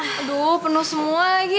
aduh penuh semua lagi